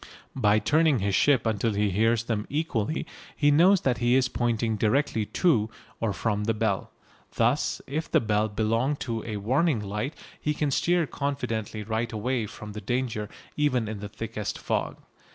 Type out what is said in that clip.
By turning his ship until he hears them equally he knows that he is pointing directly to or from the bell. Thus if the bell belong to a warning light he can steer confidently right away from the danger even in the thickest fog.